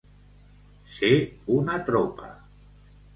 Ser una tropa.